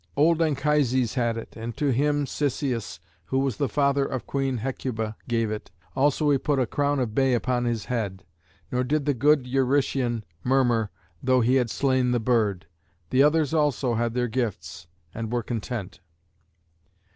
Old Anchises had it, and to him Cisseus, who was the father of Queen Hecuba, gave it." Also he put a crown of bay upon his head. Nor did the good Eurytion murmur, though he had slain the bird; the others also had their gifts and were content.